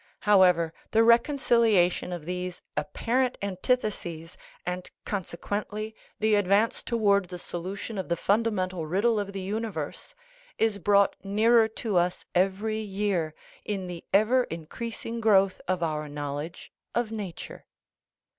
However, the reconciliation of these ap parent antitheses, and, consequently, the advance towards the solution of the fundamental riddle of the universe, is brought nearer to us every year in the ever increasing growth of our knowledge of nature.